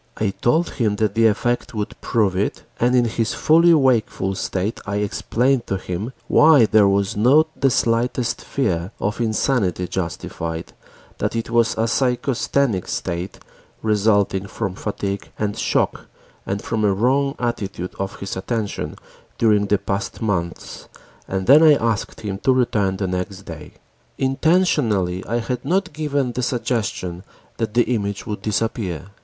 I told him that the effect would prove it and in his fully wakeful state I explained to him why there was not the slightest fear of insanity justified, that it was a psychasthenic state resulting from fatigue and shock and from a wrong attitude of his attention during the past months, and then I asked him to return the next day. Intentionally I had not given the suggestion that the image would disappear.